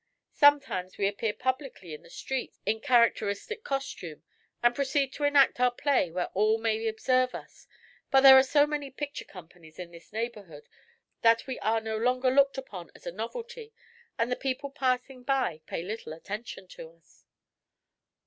Sometimes we appear publicly in the streets, in characteristic costume, and proceed to enact our play where all may observe us; but there are so many picture companies in this neighborhood that we are no longer looked upon as a novelty and the people passing by pay little attention to us."